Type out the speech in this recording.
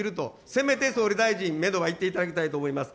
せめて総理大臣、メドは言っていただきたいと思います。